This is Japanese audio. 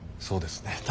そうですね